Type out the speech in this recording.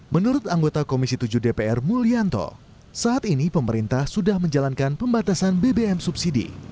menurut anggota komisi tujuh dpr mulyanto saat ini pemerintah sudah menjalankan pembatasan bbm subsidi